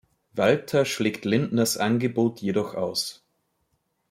Walter schlägt Lindners Angebot jedoch aus.